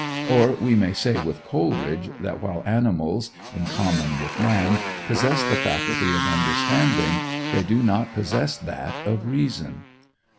Or, we may say with Coleridge, that while animals, in common with man, possess the faculty of understanding, they do not possess that of reason.